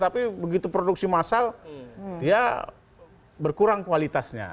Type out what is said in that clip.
tapi begitu produksi massal dia berkurang kualitasnya